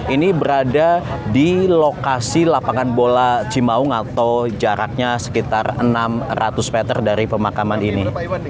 ini berada di lokasi lapangan bola cimaung atau jaraknya sekitar enam ratus meter dari pemakaman ini